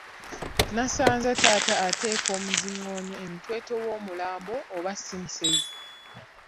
Nasanze taata ateeka omuziŋoonyo emitwetwe w’omulambo oba si musezi?